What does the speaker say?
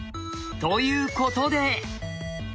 ということで。